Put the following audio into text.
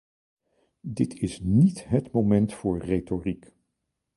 Dit is niet het moment voor retoriek.